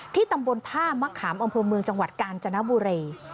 ตำบลท่ามะขามอำเภอเมืองจังหวัดกาญจนบุรี